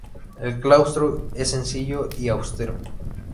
El claustro es sencillo y austero.